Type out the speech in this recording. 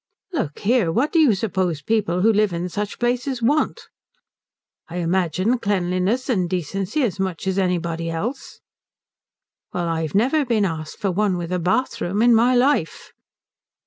"Look here, what do you suppose people who live in such places want?" "I imagine cleanliness and decency as much as anybody else." "Well, I've never been asked for one with a bathroom in my life."